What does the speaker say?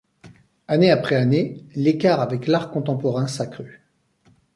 Année après année, l'écart avec l'art contemporain s'accrut.